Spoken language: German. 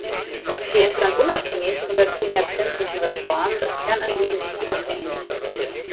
Sie entstand unabhängig von der Cluniazensischen Reform, das Kernanliegen ist jedoch ähnlich.